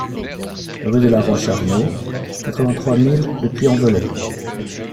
Rue de la Roche Arnaud, quarante-trois mille Le Puy-en-Velay